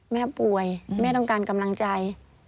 แม่ป่วยแม่ต้องการกำลังใจ